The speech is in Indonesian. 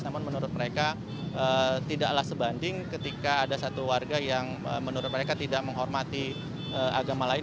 namun menurut mereka tidaklah sebanding ketika ada satu warga yang menurut mereka tidak menghormati agama lain